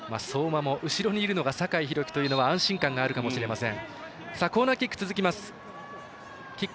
相馬も後ろにいるのが酒井宏樹というのは安心感があるかもしれません。